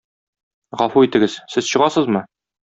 Гафу итегез, сез чыгасызмы?